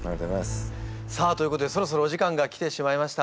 さあということでそろそろお時間が来てしまいました。